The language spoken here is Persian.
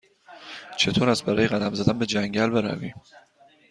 چطور است برای قدم زدن به جنگل برویم؟